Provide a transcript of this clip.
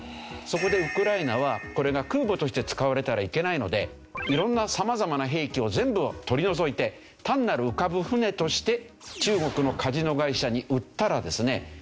そこでウクライナはこれが空母として使われたらいけないので色んな様々な兵器を全部を取り除いて単なる浮かぶ船として中国のカジノ会社に売ったらですね